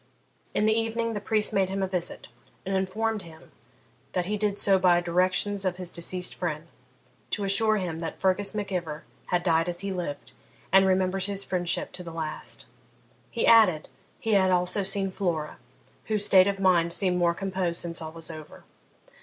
In the evening the priest made him a visit, and informed him that he did so by directions of his deceased friend, to assure him that Fergus Mac Ivor had died as he lived, and remembered his friendship to the last. He added, he had also seen Flora, whose state of mind seemed more composed since all was over.